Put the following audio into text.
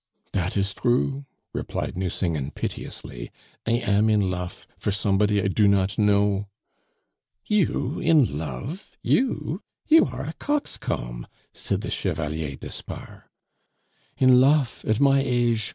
"Dat is true," replied Nucingen piteously; "I am in lof for somebody I do not know." "You, in love, you? You are a coxcomb!" said the Chevalier d'Espard. "In lof, at my aje!